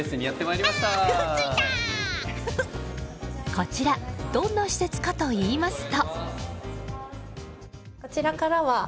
こちらどんな施設かといいますと。